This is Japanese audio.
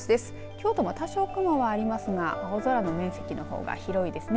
京都も多少雲はありますが青空の面積の方が広いですね。